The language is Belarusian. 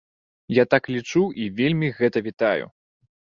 Я так лічу і вельмі гэта вітаю.